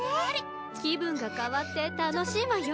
気分が変わって楽しいわよ。